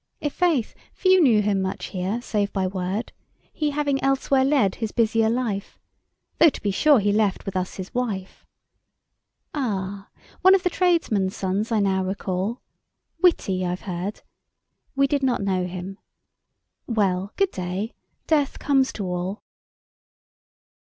"I' faith, few knew him much here, save by word, He having elsewhere led his busier life; Though to be sure he left with us his wife." —"Ah, one of the tradesmen's sons, I now recall ... Witty, I've heard ... We did not know him ... Well, good day. Death comes to all."